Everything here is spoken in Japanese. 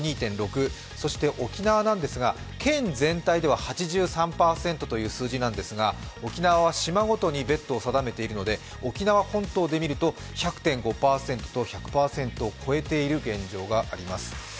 そして、沖縄なんですが、県全体では８３％という数字なんですが、沖縄は島ごとにベッドを定めているので沖縄本島で見ると１００．５％と１００％を超えている現状です。